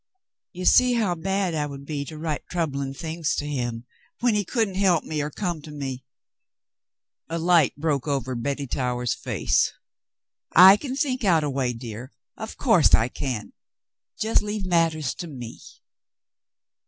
You see how bad I would be to write troubling things to him when he couldn't help me or come to me. " A light broke over Betty Towers's face. "I can think out a way, dear, of course I can. Just leave matters to me."